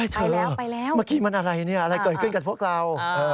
ใช่แล้วเมื่อกี้มันอะไรเนี่ยอะไรเกิดขึ้นกับพวกเรา